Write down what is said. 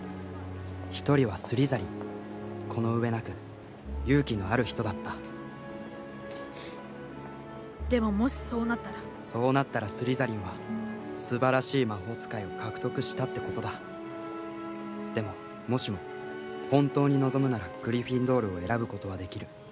一人はスリザリンこの上なく勇気のある人だったでももしそうなったらそうなったらスリザリンは素晴らしい魔法使いを獲得したってことだでももしも本当に望むならグリフィンドールを選ぶことはできる